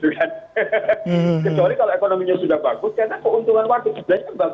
kecuali kalau ekonominya sudah bagus karena keuntungan waktu kerjanya bagus